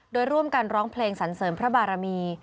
โดยร่วมกันร้องเพลงสันเสริมพระบารมี